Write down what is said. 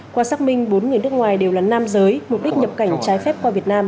qua xác minh bốn người nước ngoài đều là nam giới mục đích nhập cảnh trái phép qua việt nam